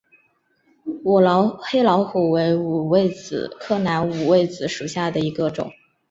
黑老虎为五味子科南五味子属下的一个种。